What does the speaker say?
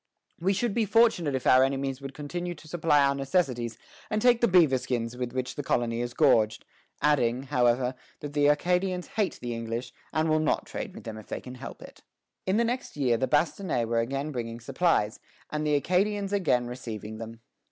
"We should be fortunate if our enemies would continue to supply our necessities and take the beaver skins with which the colony is gorged;" adding, however, that the Acadians hate the English, and will not trade with them if they can help it. In the next year the "Bastonnais" were again bringing supplies, and the Acadians again receiving them.